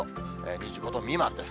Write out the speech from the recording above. ２５度未満です。